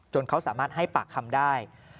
เขาสามารถให้ปากคำได้